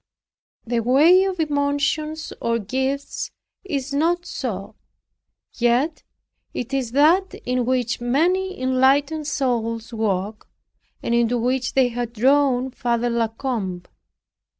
The way of emotions or gifts is not so; yet it is that in which many enlightened souls walk, and into which they had drawn Father La Combe.